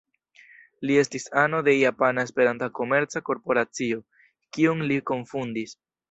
Li estis ano de Japana Esperanta Komerca Korporacio, kiun li kunfondis.